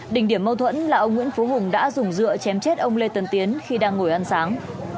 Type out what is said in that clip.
đỉnh điểm mâu thuẫn là ông nguyễn phú hùng đã dùng dựa chém chết ông lê tấn tiến khi đang ngồi ăn sáng